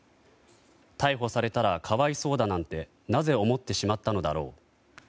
逮捕されたら可哀想だなんてなぜ思ってしまったのだろう。